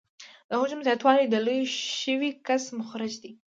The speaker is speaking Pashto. د حجم زیاتوالی د لوی شوي کسر مخرج دی